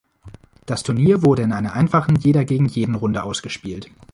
Das Turnier wurde in einer einfachen Jeder-gegen-Jeden-Runde ausgespielt.